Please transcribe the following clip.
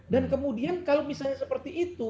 dan kemudian kalau misalnya seperti itu